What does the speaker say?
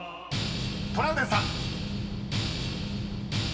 ［トラウデンさん］